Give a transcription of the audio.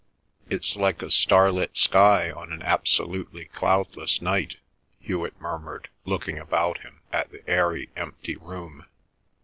"It's like a starlit sky on an absolutely cloudless night," Hewet murmured, looking about him, at the airy empty room.